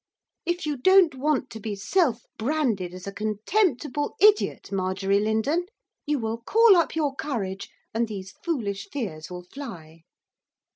'If you don't want to be self branded as a contemptible idiot, Marjorie Lindon, you will call up your courage, and these foolish fears will fly.